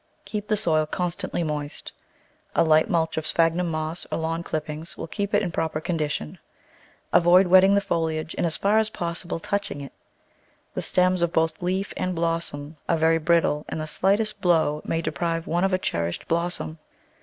Keep the soil constantly moist; a light mulch of sphagnum moss or lawn clip Digitized by Google Eight] i>ou2ic plants 79 pings will keep it in proper condition. Avoid wetting the foliage and as far as possible touching it. The stems of both leaf and blossom are very brittle and the slightest blow may deprive one of a cherished blos som.